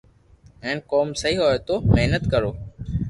ھين ڪوم سھي ھوئي تو محنت ڪرو